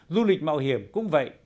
du lịch mạo hiểm cũng vậy